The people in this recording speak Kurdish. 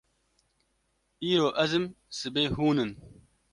Îro ez im sibê hûn in